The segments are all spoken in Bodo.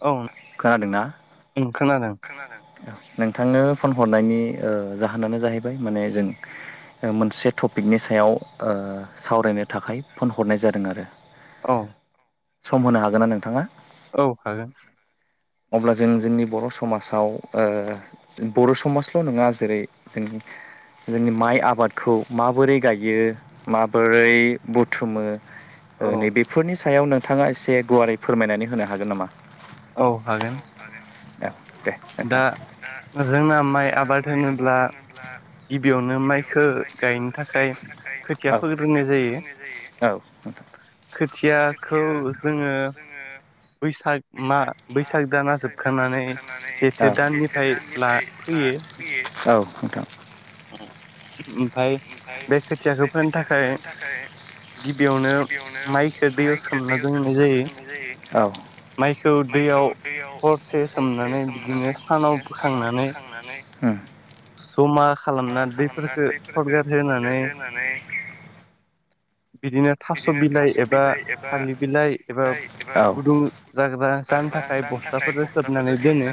औ [unintelligible] खोना खोनादों नोंथांनो फन हरनायनि ओ जाहोनानो जाहैबाय माने जों मोनसे टपिकनि सायाव ओ ओ सावरायनो थाखाय फन हरनाय जादों आरो औ सम होनो हागोन ना नोंथाङा औ हागोन अब्ला जों जोंनि बर' समाजाव ओ बर' समाजल' नङा जेरै जोंनि जोंनि माइ आबादखौ माबोरै गायो माबोरै बुथुमो नैबेफोरनि सायाव नोंथाङा एसे गुवारै फोरमायनानै होनो हागोन नामा? औ हागोन दे नोंथां जोंना माइ आबाद होनोब्ला गिबियावनो माइखौ गायनो थाखाय औ खोथियाफोरो रोंनाय जायो औ [inaudible] खोथियाखौ जोङो बैसाग मा बैसाग दाना जोबखनानै अ [inaudible] औ नोंथां ओमफ्राय बे खोथियाखौ फोननो थाखाय गिबियावनो माइखौ [inaudible] औ माइखौ दैयाव हरसे सोमनानै बिदिनो सानाव बोखांनानै उम जमा खालामना दैफोरखौ सरगार होनानै बिदिनो थास' बिलाइ एबा थालिर बिलाइ एबा गुदुं जाग्रा जानो थाखाय बस्थाफोरजों सोबनानै दोनो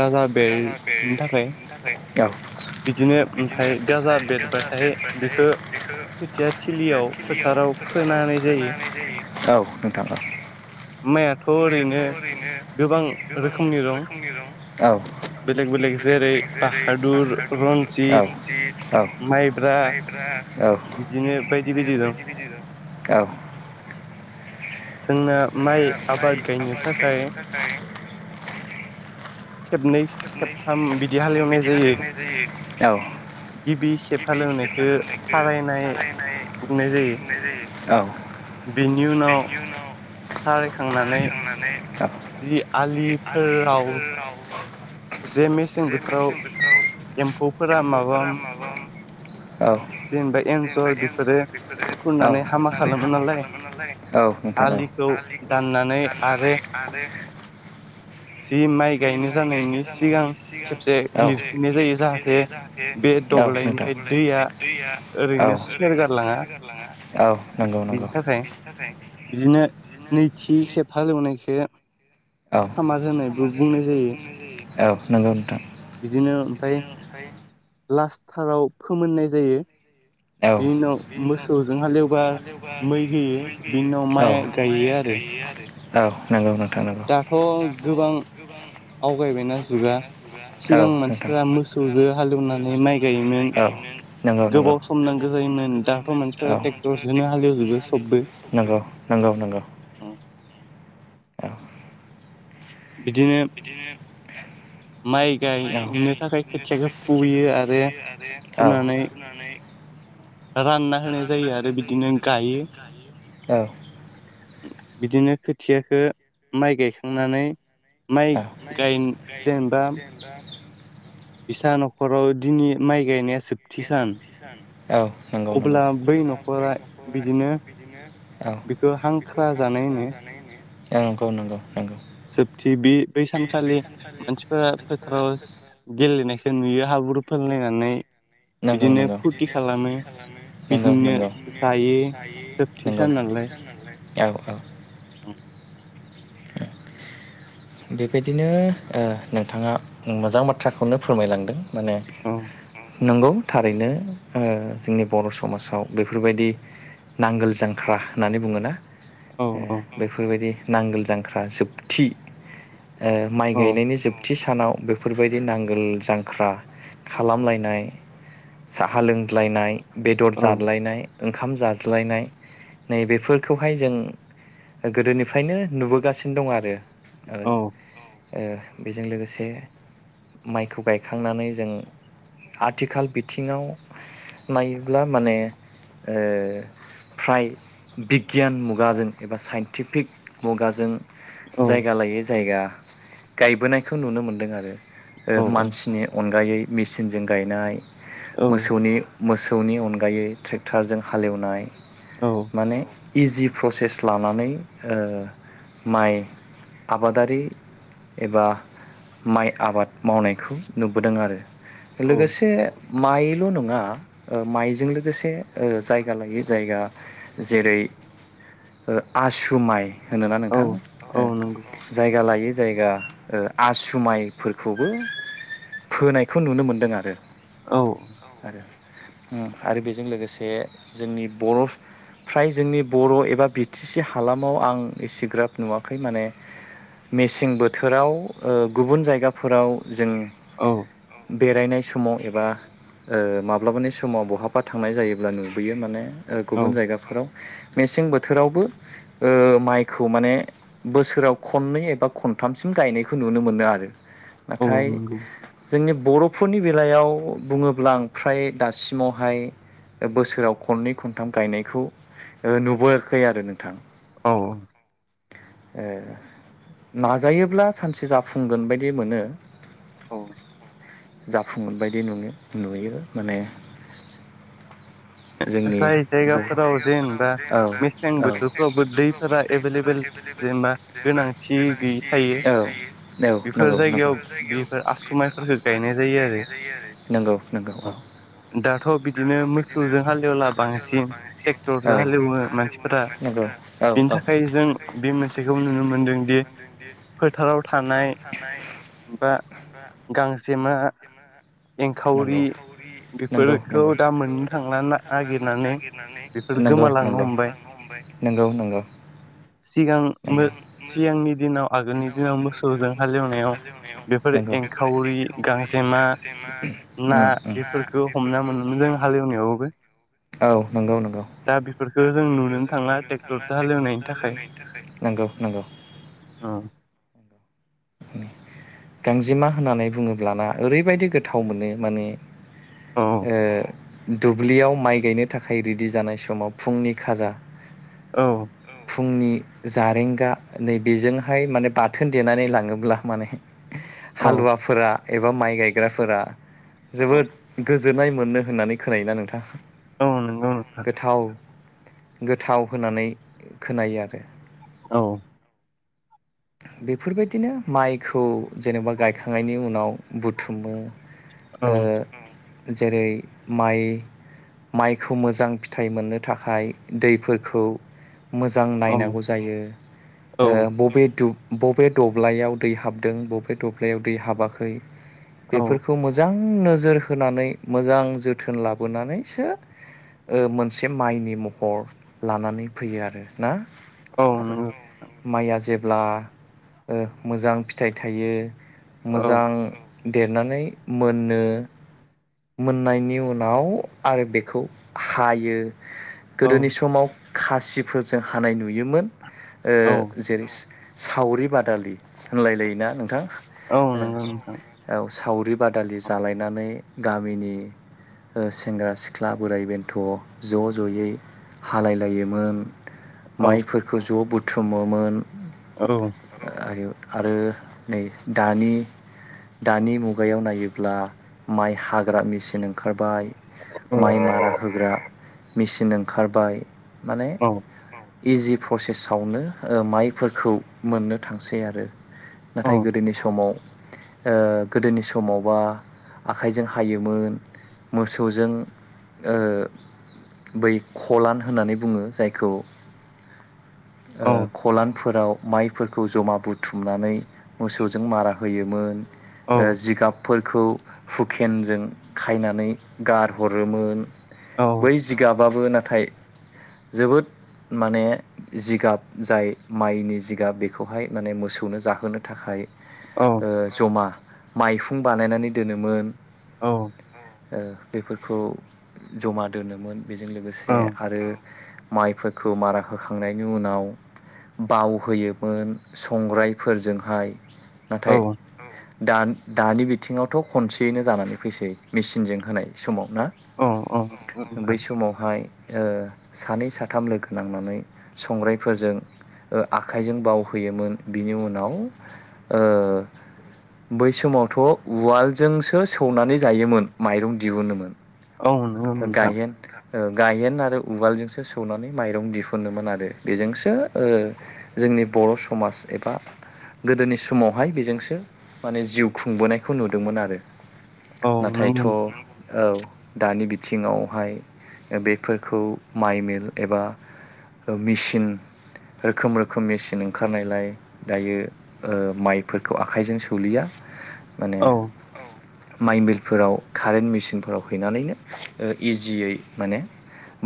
गाजा बेरनो थाखाय [unintelligible] बिदिनो ओमफ्राय गाजा बेरबाथाय बेखौ खोथिया थिलियाव फोथार फोथाराव फोनानै ख जायो औ नोंथाङा माइयाथ' ओरैनो गोबां रोखोमनि दं औ बेलेक बेलेक जेरै बाहादुर औ जि माइब्रा बिदिनो बायदि बायदि दं। औ। जोंनाय आबाद गायनो थाखाय खेबनै खेबथाम बिदि हाल एवनाय जायो औ। गिबि खेब हालएवनायखौ थारायनाय बुंनाय जायो। बेनि उनाव सालायखांनानै जि आलिफोराव जे मेसें बोथोराव एम्फौफोरा माबा जेनेबा एन्जर बेफोरो खुरनानै हामा खालामो नालाय औ नोंथां औ आलिखौ दाननानै आरो जि माइ गायनाय जानायनि सिगां खेबसे लिरफिननाय जायो जाहाथे बे दब्लायनिफ्राय दैया ओरैनो सेरगारलाङा बेनि थाखाय बिदिनो नैथि खेब हालेवनायखौ औ औ नंगौ नोंथां। बिदिनो ओमफ्राय लास्टाराव फोमोननाय जायो। [inaudible] औ बिनि उनाव मोसौजों हालेवबा मै गयो औ माइ गायो आरो। औ नंगौ नोंथां नंगौ दाथ' आवगायबायना जाया औ नोंथां सिगांनि मानसिफ्रा मोसौजों हालएवनानै माइ गायनो नंगौ नंगौ गोबाव सम नांगौ जायोमोन दा मानसिफोरा ट्रेकटरजोंनो हालएवजोबो [inaudible] बिदिनो माइ गायनो थाखाय खोथियाखौ फुग्रोयो आरो औ फुनानै रानना होनाय जायो आरो बिदिनो गायो बिदिनो खोथियाखौ माइ गायखांनानै माइ गायजेनबा फिसा न'खराव दिनै माइ गायना या जोबथि सान औ नंगौ नंगौ अब्ला बै न'खरा बिदिनो बेखौ हांख्रा जानाय होनो औ नंगौ नंगौ जोबथि बे बै सानखालि मानसिफोरा फोथाराव गेलेनायखौ नुयो। हाबुरु फोनलायनानै बिदिनो फुरथि खालामो बिदिनो जायो जोबथि सान नालाय औ औ औ बेबायदिनो नोंथाङा मोजां बाथ्राखौनो फोरमायलांदों माने औ नंगौ थारैनो जोंनि बर' समाजाव बेफोरबायदि नांगोल जांख्रा होननानै बुङोना। बेफोरबायदि नांगोल जांख्रा जोबथि ओ माइ गायनायनि जोबथि सानाव बेफोरबायदि नांगोल जांख्रा खालामलायनाय साहा लोंज्लायनाय बेदर जालायनाय ओंखाम जाज्लायनाय नैबेफोरखौहाय जों गोदोनिफ्रायनो नुबोगासिनो दं आरो ओ औ। ओ बेजों लोगोसे माइखौ गायखांनानै जों आथिखाल बिथिङाव नायोब्ला माने ओ फ्राय बिगियान मुगाजों एबा साइन्टिफिक मुगाजों जायगा लायै जायगा गायबोनायखौ नुनो मोनदों आरो। ओ मानसिनि अनगायै मेसिनजों गायनाय मोसौनि मोसौनि अनगायै ट्रेक्टारजों हालेवनाय माने इजि प्रसेस लानानै ओ माइ आबादारि एबा माइ आबाद मावनायखौ नुबोदों आरो लोगोसे माइल' नङा ओ माइजों लोगोसे ओ जायगा लायै जायगा जेरै ओ आसु माइ होनोना नोंथां ओ जायगा लायै जायगा ओ आसु माइफोरखौबो फोनायखौ नुनो मोनदों आरो। औ औ उम आरो बेजों लोगोसे जोंनि बर' फ्राय जोंनि बर' एबा बि टि सि हालामाव आं एसेग्राब नुवाखै माने मेसें बोथोराव ओ गुबुन जायगाफोराव जों औ बेरायनाय समाव एबा ओ माब्लाबानि समाव बहाबा थांनाय जायोब्ला नुबोयो माने ओ गुबुन जायगाफोराव मेसें बोथोरावबो ओ माइखौ माने बोसोराव खननै एबा खनथामसिम गायनायखौ नुनो मोनो आरो। नाथाय जोंनि बर' फोरनि बेलायाव बुङोब्ला आं फ्राय दासिमावहाय ओ बोसोराव खननै खनथाम गायनायखौ ओ नुबोआखै आरो नोंथां। औ ओ नाजायोब्ला सानसे जाफुंगोन बायदि मोनो‌। औ जाफुंगोन बायदि नुङो नुयो माने जोंनि बर' औ औ एबेलेबेल जेनेबा गोनांथि गैयै जायो औ औ नंगौ बेफोर जायगायाव आसु माइफोरखो गायनाय जायो आरो उम दाथ' बिदिनो मोसौ जों हालेवला बांसिन ट्रेक्टरजों हालेवो मानसिफोरा बेनि थाखाय जों बे मोनसेखौ नुनो मोनदों दि फोथाराव थानाय बा गांजेमा, एंखावरि बेफोरखौ दा मोन दा मोननो थांला नागिरनानै नंगौ नंगौ गोमालांनो हमबाय नंगौ नंगौ। सिगां मो सिगांनि दिनाव आगोलनि दिनाव मोसौजों हालेवनायाव बेफोर एंखावरि, गांजेमा, ना बेफोरखौ हमना मोनोमोन जों हालेव नायावबो। औ नंगौ नंगौ। दा बेफोरखो जों नुनोनो थांला ट्रेक्टरदो हालेवनायनि थाखाय नंगौ नंगौ। ओ गांजेमा होननानै बुङोब्ला ना ओरैबायदि गोथाव मोनो माने ओ दुब्लियाव माइ गायनो थाखाय रेडि जानाय समाव फुंनि खाजा औ फुंनि जारेंगा नै बेेजोंहाय माने बाथोन देनानै लाङोब्ला माने हालुवाफोरा एबा माइ गायग्राफोरा जोबोद गो गोजोननाय मोनो होननानै खोनायोना नोंथां औ नंगौ गोथाव गोथाव होननानै खोनायो आरो औ बेफोरबायदिनो माइखौ जेनेबा गायखांनायनि उनाव बुथुमो ओ जेरै माइ माइखौ मोजां फिथाइ मोननो थाखाय दैफोरखौ मोजां नायनांगौ जायो ओ बबे दु बबे दब्लायाव दै हाबदों बबे दब्लायाव दै हाबाखै बेफोरखौ मोजां नोजोर होनानै मोजां जोथोन लाबोनानैसो ओ मोनसे माइनि महर लानानै फैयो आरो ना आरो औ नंगौ माइया जे ब्ला मोजां फिथाइ थायो मोजां देरनानै मोननो मोननायनि उनाव आरो बेखौ हायो गोदोनि समाव खासिफोरजों हानाय नुयोमोन ओ जेरै सावरि बादालि होनलायलायोना नोंथां औ नोंगौ नोंथां सावरि बादालि जालायनानै गामिनि सेंग्रा सिख्ला बोराइ बेन्थ' ज' ज'यै हालायलायोमोन माइफोरखौ ज' बुथुमोमोन आरो नै दानि दानि मुगायाव नायोब्ला माइ हाग्रा मेसिन ओंखारबाय माइ मारा होग्रा मेसिन ओंखारबाय माने इजि प्रसेसआवनो माइफोरखौ मोननो थांसै आरो नाथाय गोदोनि समाव ओ गोदोनि समावबा आखाइजों हायोमोन मोसौजों बै खलान होननानै बुङो जायखौ ओ खलानफोराव माइफोरखौ जमा बुथुमनानै मोसौजों मारा होयोमोन जिगाब फोरखौ हुकेनजों खायनानै गारहरोमोन बै जिगाबाबो नाथाय जोबोद माने जिगाब जाय माइनि जि गाब बेखौहाय माने मोसौनो जाहोनो थाखाय जमा मायहुं बानायनानै दोनोमोन औ बेफोरखौ जमा दोनोमोन बेजों लोगोसे आरो माइफोरखौ मारा होखांनायनि उनाव बाव होयो मोन संग्रायफोरजोंहाय नाथाय दा दानि बिथिङावथ' खनसेयैनो जानानै फैसै मेसिनजों होनाय समाव ना बै समावहाय ओ सानै साथाम लोगो नांनानै संग्रायफोरजों आखा- इजों बावहोयोमोन बिनि उनाव बै समावथ' उवालजोंसो सौनानै जायोमोन माइरं दिहुोनोमोन गायहेन ओ गाहेन आरो उवालजोंसो सौनानै माइरं दिहुनोमोन आरो बेजोंसो जोंनि बर' समाज एबा गोदोनि समावहाय बेजोंसो माने जिउ खुंबोनायखौ नुदोंमोन आरो नाथायथ' औ दानि बिथिङावहाय बेफोरखौ माइमिल एबा मेसिन रोखोम रोखोम मेसिन ओंखारनायलाय दायो माइफोरखौ आखाइजों सौलिया माने माइमिलफोराव कारेन्ट मेसिनफोराव देनैनो इजियै माने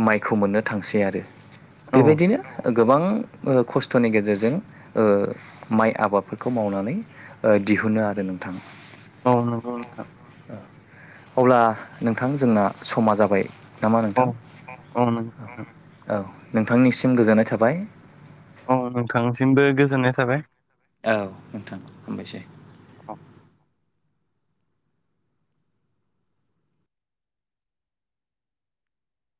माइखौ मोननो थांसै आरो। बेबायदिनो गोबां ओ खस्थ'नि गेजेरजों ओ माइ आबादफोरखौ मावनानै ओ दिहुनो आरो नोंथां। औ नोंगौ नोंथां। अब्ला नोंथां जोंना समा जाबाय। नामा नोंथां? औ नोंथांनिसिम गोजोननाय थाबाय। औ नोंथांनिसिमबो गोजोननाय थाबाय। औ नोंथां हामबायसै।